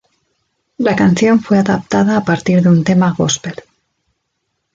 La canción fue adaptada a partir de un tema gospel.